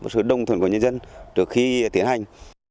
sự đồng thuận của nhân dân trước khi tiến hành